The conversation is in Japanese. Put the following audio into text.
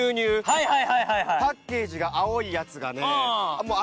はいはいはいはいはいパッケージが青いやつがね